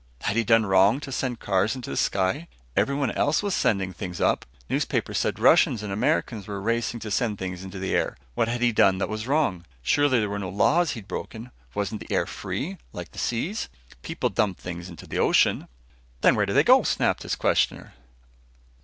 Had he done wrong to send cars into the sky? Everyone else was sending things up. Newspapers said Russians and Americans were racing to send things into the air. What had he done that was wrong? Surely there was no law he'd broken. Wasn't the air free, like the seas? People dumped things into the ocean. "Then where did they go?" snapped his questioner.